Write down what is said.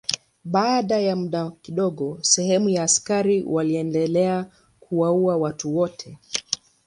Baada ya muda kidogo sehemu ya askari waliendelea kuwaua watu wote.